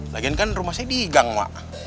lagian kan rumah saya digang mak